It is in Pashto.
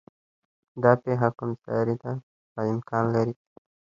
دا پېښه کم سارې ده او امکان لري چې